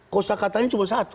kosa katanya cuma satu